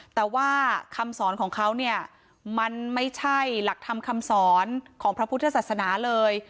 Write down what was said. แต่ว่าคำสอนของเขาเนี่ยมันไม่ใช่หลักธรรมคำสอนของพระพุทธศาสนาเลย